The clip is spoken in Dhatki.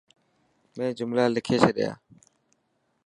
مين جملا لکي ڇڏيا.